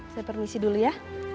saya permisi dulu ya